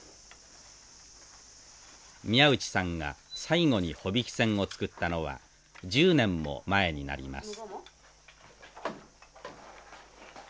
宮内さんが最後に帆引き船を造ったのは１０年も前になります。